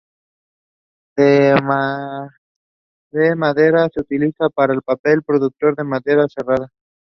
She also made numerous appearances on television.